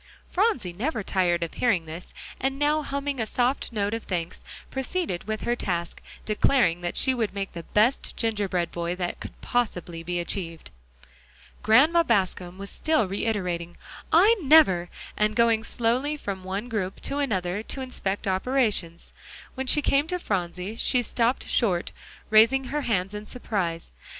Phronsie never tired of hearing this, and now humming a soft note of thanks, proceeded with her task, declaring that she would make the best gingerbread boy that could possibly be achieved. Grandma Bascom was still reiterating "I never," and going slowly from one group to another to inspect operations. When she came to Phronsie, she stopped short, raising her hands in surprise.